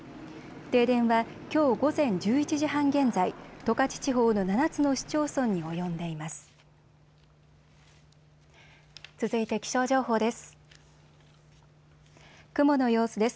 停電はきょう午前１１時半現在、十勝地方の７つの市町村に及んでいます。